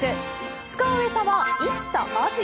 使う餌は、生きたアジ。